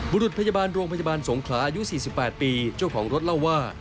รุษพยาบาลโรงพยาบาลสงขลาอายุ๔๘ปีเจ้าของรถเล่าว่า